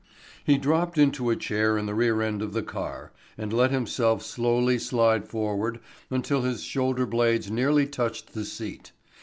He dropped into a chair in the rear end of the car and let himself slowly slide forward until his shoulder blades nearly touched the seat.